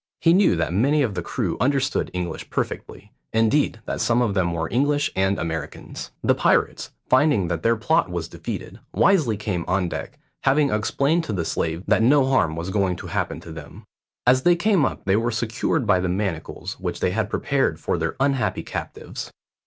He knew that many of the crew understood English perfectly, indeed that some of them were English and Americans. The pirates, finding that their plot was defeated, wisely came on deck, having explained to the slaves that no harm was going to happen to them. As they came up they were secured by the manacles which they had prepared for their unhappy captives.